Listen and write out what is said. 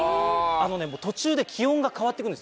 途中で気温が変わって来るんですよ。